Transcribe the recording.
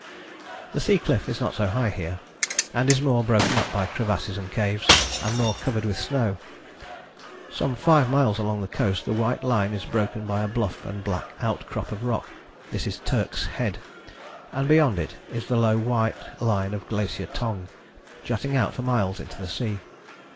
The sea cliff is not so high here, and is more broken up by crevasses and caves, and more covered with snow. Some five miles along the coast the white line is broken by a bluff and black outcrop of rock; this is Turk's Head, and beyond it is the low white line of Glacier Tongue, jutting out for miles into the sea.